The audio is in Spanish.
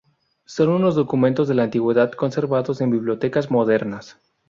Son unos documentos de la antigüedad conservados en bibliotecas modernas.